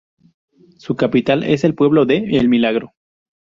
Su capital es el pueblo de "El Milagro".